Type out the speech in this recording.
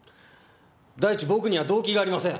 第一僕には動機がありません。